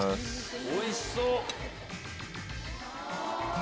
おいしそう！